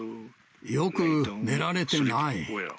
よく寝られてない。